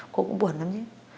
cô cũng buồn lắm chứ